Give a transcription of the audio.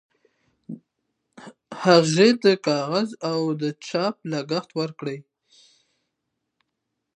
هغې د کاغذ او چاپ لګښت ورکړ.